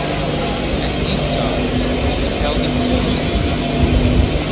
At these songs, he was held in his own team.